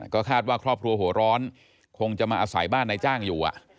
ก็คาดว่าครอบครัวหัวร้อนคงจะมาอาศัยบ้านนายจ้างอยู่